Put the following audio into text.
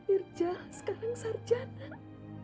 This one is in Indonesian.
irzal sekarang sarjana